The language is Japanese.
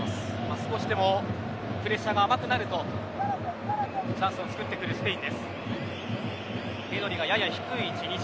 少しでもプレッシャーが甘くなるとチャンスを作ってくるスペイン。